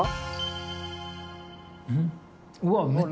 うわっ